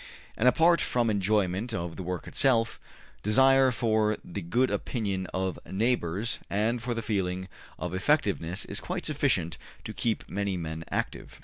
And apart from enjoyment of the work itself, desire for the good opinion of neighbors and for the feeling of effectiveness is quite sufficient to keep many men active.